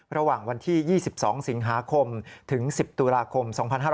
ระหว่างวันที่๒๒สิงหาคมถึง๑๐ตุลาคม๒๕๕๙